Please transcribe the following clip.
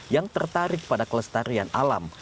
yang tertarik pada kelestarian alam